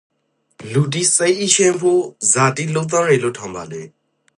လူတိစိတ်အီးချမ်းဖို့ဇာတိလုပ်သင့်ယေလို့ ထင်ပါလေ?